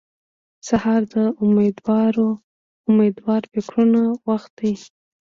سهار د امېدوار فکرونو وخت دی.